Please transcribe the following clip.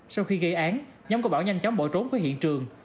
sau khi gây án nhóm của bảo nhanh chóng bỏ trốn khỏi hiện trường